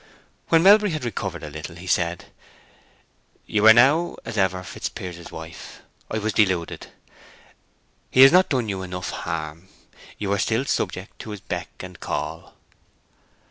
When Melbury had recovered a little he said, "You are now, as ever, Fitzpiers's wife. I was deluded. He has not done you enough harm. You are still subject to his beck and call."